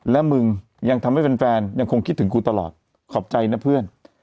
และมึงยังทำให้แฟนยังคงคิดถึงกูตลอดขอบใจนะเพื่อน